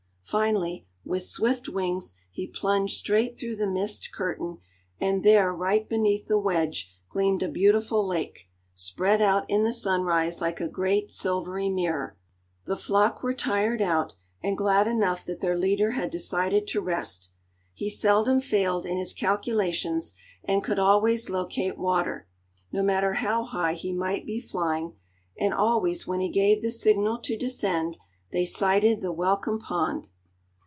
Finally, with swift wings he plunged straight through the mist curtain, and there right beneath the wedge gleamed a beautiful lake, spread out in the sunrise like a great silvery mirror. The flock were tired out, and glad enough that their leader had decided to rest. He seldom failed in his calculations, and could always locate water, no matter how high he might be flying, and always when he gave the signal to descend, they sighted the welcome pond.